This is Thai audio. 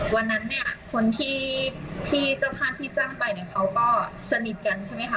วันนั้นคนที่จะพาที่จ้างไปเขาก็สนิทกันใช่ไหมคะ